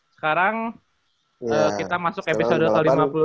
sekarang kita masuk ke episode ke lima puluh delapan